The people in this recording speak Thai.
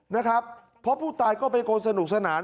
นะครับเพราะผู้ตายก็เป็นคนสนุกสนาน